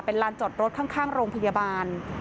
ลานจอดรถข้างโรงพยาบาล